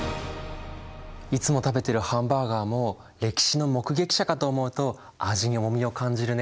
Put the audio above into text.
いつも食べてるハンバーガーも歴史の目撃者かと思うと味に重みを感じるね。